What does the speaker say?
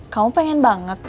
kamu pengen banget